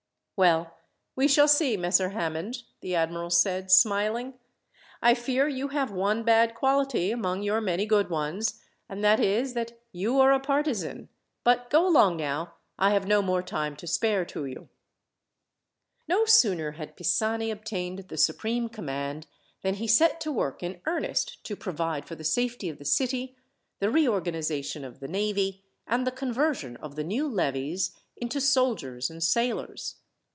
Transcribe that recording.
"Well, we shall see, Messer Hammond," the admiral said, smiling. "I fear you have one bad quality among your many good ones, and that is that you are a partisan. But go along now. I have no more time to spare to you." No sooner had Pisani obtained the supreme command, than he set to work in earnest to provide for the safety of the city, the reorganization of the navy, and the conversion of the new levies into soldiers and sailors.